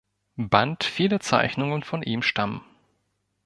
Band viele Zeichnungen von ihm stammen.